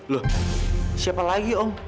loh siapa lagi om